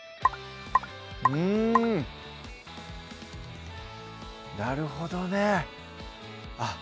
うんなるほどねあっ